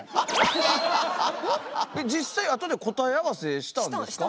実際あとで答え合わせしたんですか？